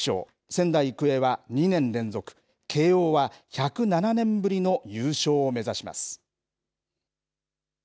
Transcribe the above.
仙台育英は２年連続、慶応は１０７年ぶりの優勝を目指します。